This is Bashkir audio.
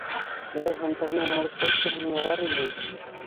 Берәй һанды ғына яңылыш әйтмәһәм ярар ине.